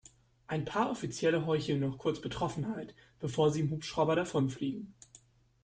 Ein paar Offizielle heucheln noch kurz Betroffenheit, bevor sie im Hubschrauber davonfliegen.